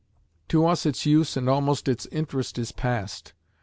To us its use and almost its interest is passed.